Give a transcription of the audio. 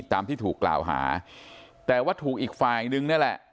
ตามที่ถูกกล่าวหาแต่ว่าถูกอีกฝ่ายนึงนี่แหละ